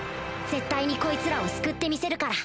絶対にこいつらを救ってみせるから